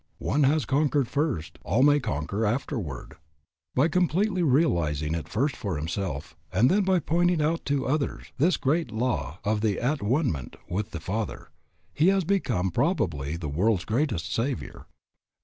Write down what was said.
One has conquered first; all may conquer afterward. By completely realizing it first for himself, and then by pointing out to others this great law of the at one ment with the Father, he has become probably the world's greatest saviour.